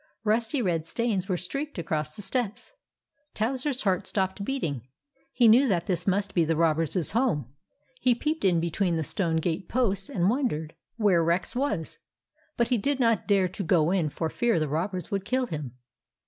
Rusty red stains were streaked across the steps. Towser's heart stopped beating. He knew that this must be the robbers' home. He peeped in be tween the stone gate posts, and wondered THE ROBBERS 59 where Rex was ; but he did not dare to go in for fear the robbers would kill him.